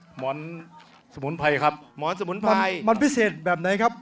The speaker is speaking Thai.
หมอนสมุนไพรครับหมอนสมุนไพรมันพิเศษแบบไหนครับ